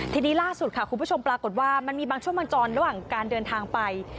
ทีนี้ล่าสุดค่ะคุณผู้ชมปรากฏว่ามันมีบางช่วงบางตอนระหว่างการเดินทางไป